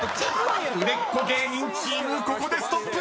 ［売れっ子芸人チームここでストップ！］